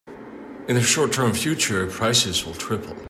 In the short term future, prices will triple.